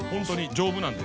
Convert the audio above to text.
丈夫なんで。